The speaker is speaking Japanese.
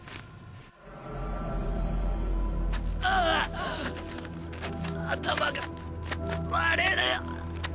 ああ頭が割れるっ！